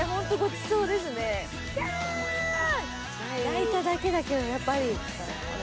焼いただけだけどやっぱり。